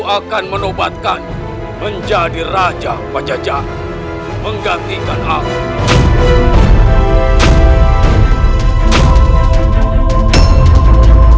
akan menobatkan menjadi raja pajajar menggantikan aku